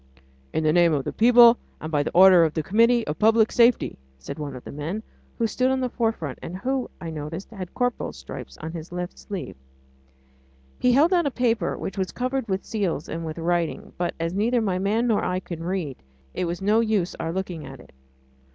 "In the name of the People and by the order of the Committee of Public Safety!" said one of the men, who stood in the forefront, and who, I noticed, had a corporal's stripe on his left sleeve. He held out a paper, which was covered with seals and with writing, but as neither my man nor I can read, it was no use our looking at it.